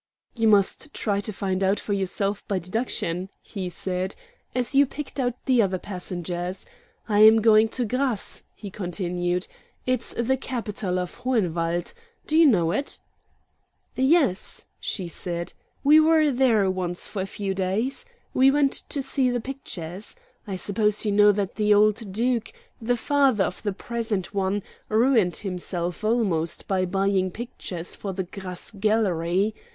"You must try to find out for yourself by deduction," he said, "as you picked out the other passengers. I am going to Grasse," he continued. "It's the capital of Hohenwald. Do you know it?" "Yes," she said; "we were there once for a few days. We went to see the pictures. I suppose you know that the old Duke, the father of the present one, ruined himself almost by buying pictures for the Grasse gallery.